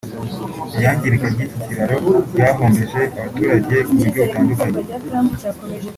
Iyangirika ry’iki kiraro ryahombeje abaturage mu buryo butandukanye